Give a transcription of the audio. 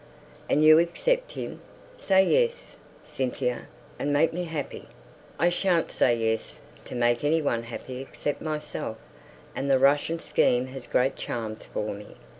"And you accept him? Say 'yes,' Cynthia, and make me happy!" "I shan't say 'yes' to make any one happy except myself, and the Russian scheme has great charms for me."